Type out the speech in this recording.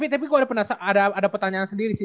tapi kok ada pertanyaan sendiri sih